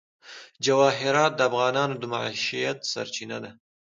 جواهرات د افغانانو د معیشت سرچینه ده.